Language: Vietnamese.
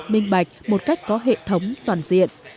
minh bạch một cách có hệ thống toàn diện